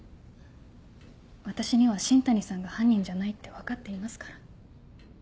私には新谷さんが犯人じゃないって分かっていますから。